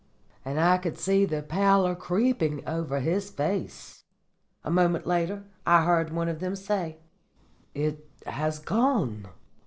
And I could see the pallor creeping over his face. "A moment later I heard one of them say, 'It has gone.